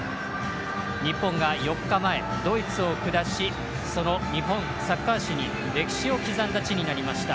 日本が４日前、ドイツを下しその日本サッカー史に歴史を刻んだ地になりました